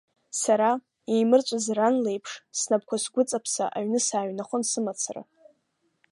Сара, еимырҵәаз ран леиԥш, снапқәа сгәыҵаԥса аҩны сааҩнахон сымацара.